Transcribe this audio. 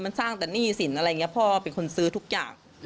มันสร้างแต่หนี้สินอะไรอย่างนี้พ่อเป็นคนซื้อทุกอย่าง